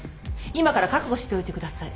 今から覚悟しておいてください。